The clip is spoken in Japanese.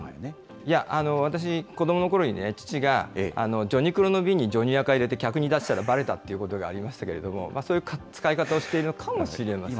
いや、私、子どものころにね、父がジョニ黒の瓶にジョニ赤入れて出したら、ばれたってことがありましたけれども、そういう使い方をしているのかもしれません。